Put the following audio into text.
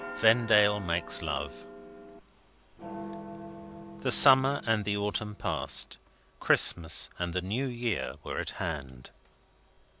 VENDALE MAKES LOVE The summer and the autumn passed. Christmas and the New Year were at hand.